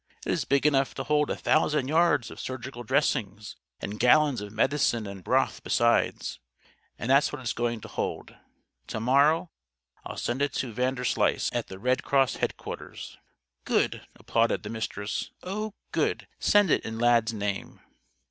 It is big enough to hold a thousand yards of surgical dressings; and gallons of medicine and broth, besides. And that's what it is going to hold. To morrow I'll send it to Vanderslice, at the Red Cross Headquarters." "Good!" applauded the Mistress. "Oh, good! send it in Lad's name."